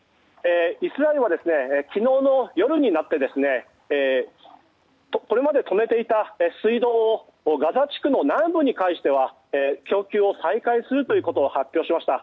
イスラエルは昨日の夜になってこれまで止めていた水道をガザ地区の南部に関しては供給を再開するということを発表しました。